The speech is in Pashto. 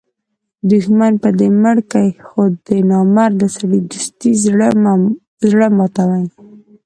دوښمن به دي مړ کي؛ خو د نامرده سړي دوستي زړه ماتوي.